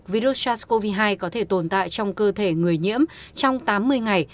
virus sars cov hai có thể tồn tại trong cơ thể người nhiễm trong tám mươi ngày